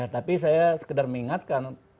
tapi saya sekedar mengingatkan